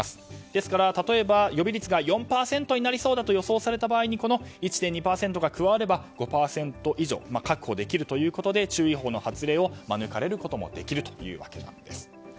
ですから例えば予備率が４％になりそうだと予想された場合にこの１．２％が加われば５％以上を確保できるということで注意報の発令を免れることもできるというわけです。